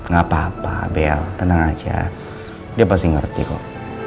gak apa apa bea tenang aja dia pasti ngerti kok